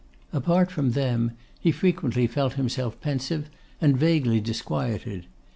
Apart from them, he frequently felt himself pensive and vaguely disquieted.